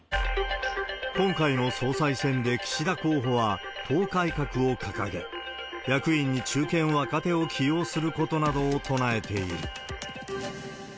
今回の総裁選で岸田候補は党改革を掲げ、役員に中堅若手を起用することなどを唱えている。